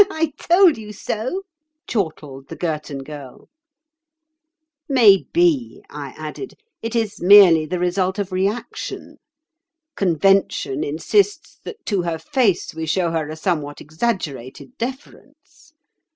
"I told you so," chortled the Girton Girl. "Maybe," I added, "it is merely the result of reaction. Convention insists that to her face we show her a somewhat exaggerated deference.